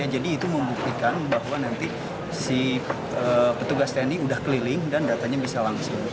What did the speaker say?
jadi itu membuktikan bahwa nanti si petugas tni sudah keliling dan datanya bisa langsung